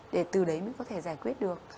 để từ đấy mới có thể giải quyết được